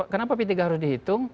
kenapa p tiga harus dihitung